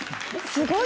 すごい。